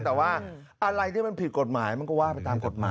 แต่ว่าอะไรที่มันผิดกฎหมายมันก็ว่าไปตามกฎหมาย